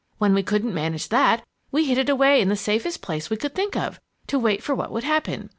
When we couldn't manage that, we hid it away in the safest place we could think of, to wait for what would happen.